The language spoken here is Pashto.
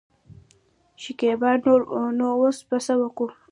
شکيبا : نو اوس به څه کوو.